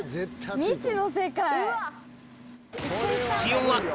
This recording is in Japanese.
未知の世界。